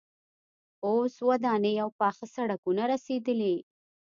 اوس ودانۍ او پاخه سړکونه رسیدلي.